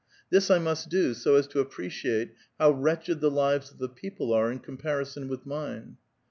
Fhis I must do, so as to appreciate how wretched the lives rf the people are in comparison with mine."